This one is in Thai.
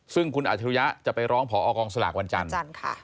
ซึ่งคุณอาชิริยะจะไปร้องพอกองสลากวันจันทร์วันจันทร์ค่ะ